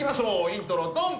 イントロドン！